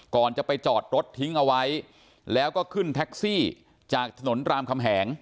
ก่อนจะไปจอดรถทิ้งเอาไว้แล้วก็ขึ้นแท็กซี่จากถนนรามคำแหง